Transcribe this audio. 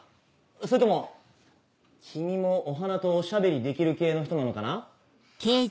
それとも君もお花とお喋りできる系の人なのかな？